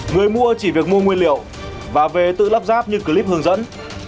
người mua chỉ việc mua nguyên liệu và về tự lắp ráp như clip hướng dẫn